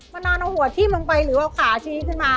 มันนอนเอาหัวทิ้มลงไปหรือเอาขาชี้ขึ้นมา